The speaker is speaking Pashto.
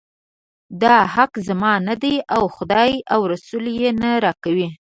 دا حق زما نه دی او خدای او رسول یې نه راکوي.